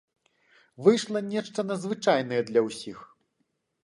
Выйшла нешта надзвычайнае для ўсіх.